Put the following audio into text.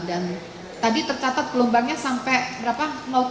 dan tadi tercatat gelombangnya sampai berapa lima